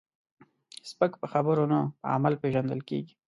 سپک په خبرو نه، په عمل پیژندل کېږي.